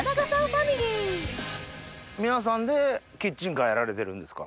ファミリー皆さんでキッチンカーやられてるんですか？